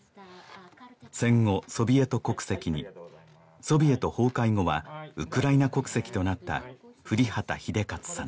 戦後ソビエト国籍にソビエト崩壊後はウクライナ国籍となった降籏英捷さん